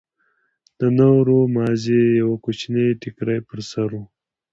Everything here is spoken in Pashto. د نورو مازې يو کوچنى ټيکرى پر سر و.